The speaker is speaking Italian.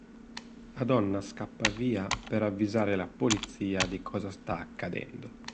La donna scappa via per avvisare la polizia di cosa sta accadendo.